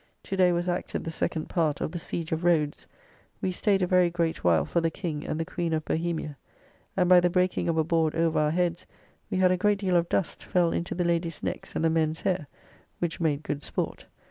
To day was acted the second part of "The Siege of Rhodes." We staid a very great while for the King and the Queen of Bohemia. And by the breaking of a board over our heads, we had a great deal of dust fell into the ladies' necks and the men's hair, which made good sport.